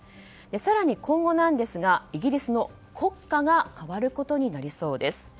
更に今後ですがイギリスの国歌が変わることになりそうです。